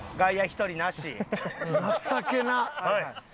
情けなっ！